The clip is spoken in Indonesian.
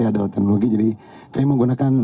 ada teknologi jadi kami menggunakan